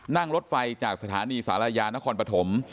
นั่งรถไฟจากสถานีศาลายานครปฐม